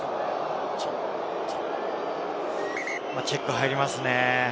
チェックが入りますね。